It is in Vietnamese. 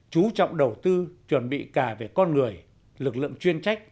chú trọng đầu tư chuẩn bị cả về con người lực lượng chuyên trách